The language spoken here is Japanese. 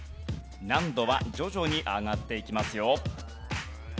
難度は徐々に上がっていきますよ。